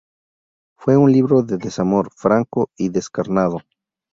Fue un libro de desamor, franco y descarnado.